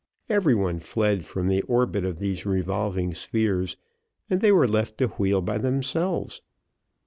Every one fled from the orbit of these revolving spheres, and they were left to wheel by themselves.